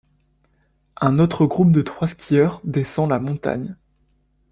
Un autre groupe de trois skieurs descend la montagne.